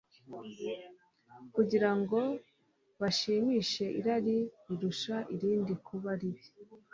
kugira ngo bashimishe irari rirusha irindi kuba ribi.